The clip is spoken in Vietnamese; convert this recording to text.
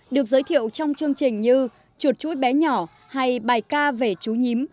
được giới thiệu trong chương trình như chuột chuỗi bé nhỏ hay bài ca về chú nhím